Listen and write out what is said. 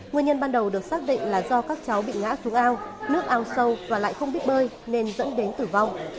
nguyên nhân ban đầu được xác định là do các cháu bị ngã xuống ao nước ao sâu và lại không biết bơi nên dẫn đến tử vong